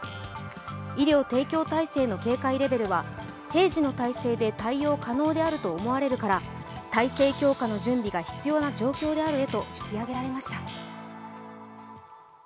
医療提供体制の警戒レベルは平時の体制で対応可能であると思われるから体制強化の準備が必要な状況であるへと引き上げられました。